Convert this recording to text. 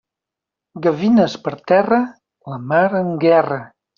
Gavines per terra, la mar en guerra.